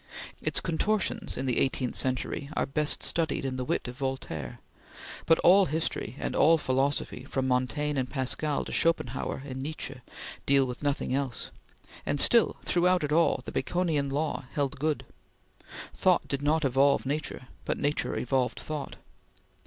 Its contortions in the eighteenth century are best studied in the wit of Voltaire, but all history and all philosophy from Montaigne and Pascal to Schopenhauer and Nietzsche deal with nothing else; and still, throughout it all, the Baconian law held good; thought did not evolve nature, but nature evolved thought.